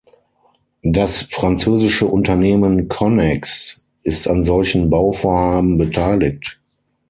Das französische Unternehmen Connex ist an solchen Bauvorhaben beteiligt.